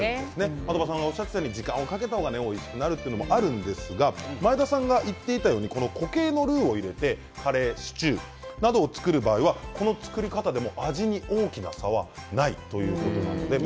的場さんがおっしゃっていたように、時間をかけた方がおいしくなるんですが前田さんが言っていたように固形のルーを入れてカレー、シチューなどを作る場合は、この作り方でも味に大きな差はないということなんです。